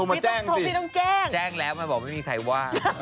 มันต้องแจ้งแจ้งแล้วมาบอกไม่มีใครว่า